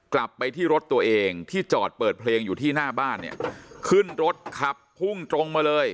กลับไปที่รถตัวเองที่จอดเปิดเพลงอยู่ที่หน้าบ้านเนี่ยขึ้นรถขับพุ่งตรงมาเลย